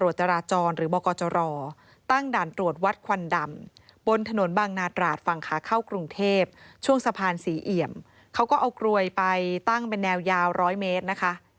ช่วงสะพานศรีเอี่ยมเขาก็เอากลวยไปตั้งเป็นแนวยาว๑๐๐เมตรนะคะ